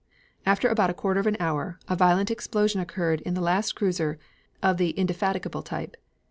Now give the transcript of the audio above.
After about a quarter of an hour a violent explosion occurred on the last cruiser of the Indefatigable type.